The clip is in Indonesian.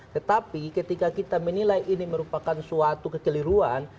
tetapi ketika kita menilai ini merupakan suatu kekeliruan